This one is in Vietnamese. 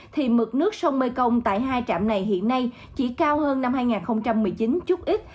thì mực nước sông mekong tại hai trạm này hiện nay chỉ cao hơn năm hai nghìn một mươi chín chút ít